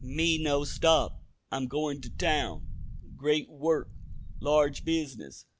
"Me no stop. I goin' ter town. Great work. Large bizness."